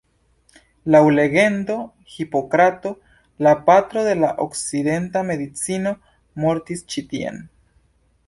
Laŭ legendo Hipokrato, la patro de la okcidenta medicino, mortis ĉi tien.